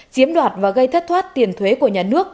chiếm đoạt và gây thất thoát tiền thuế của nhà nước